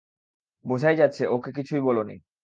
বোঝাই যাচ্ছে, ওকে কিছুই বলোনি।